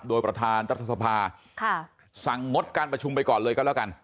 ทรัฐสภาค่ะสั่งงดการประชุมไปก่อนเลยก็แล้วกัน